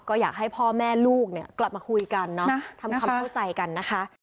ก็อยากให้พ่อแม่ลูกเนี่ยกลับมาคุยกันเนาะทำความเข้าใจกันนะคะ